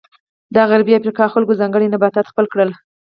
د غربي افریقا خلکو ځانګړي نباتات خپل کړل.